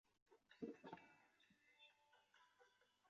雕纹鱿鱼是一属已灭绝的头足类。